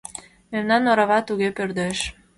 Мемнан орава туге пӧрдеш.